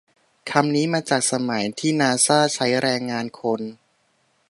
คำนี้มาจากสมัยที่นาซ่าใช้แรงงานคน